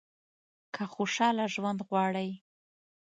که خوشاله ژوند غواړئ .